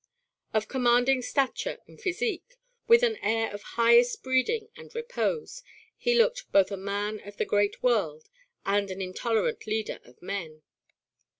Of commanding stature and physique, with an air of highest breeding and repose, he looked both a man of the great world and an intolerant leader of men.